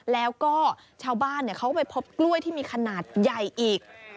แล้วก็ชาวบ้านเขาก็ไปพบกล้วยที่มีขนาดใหญ่อีก